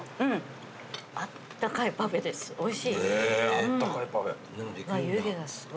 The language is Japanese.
あったかいパフェです。